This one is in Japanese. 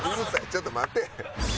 ちょっと待て！